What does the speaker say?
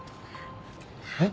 えっ？